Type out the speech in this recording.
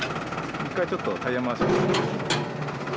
一回ちょっとタイヤ回して。